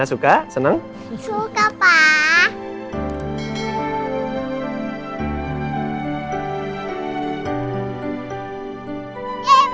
makasih ya pak